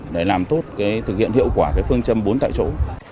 để làm tốt cái thực hiện hiệu quả cái phương châm bốn tại chỗ